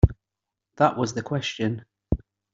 That was the question.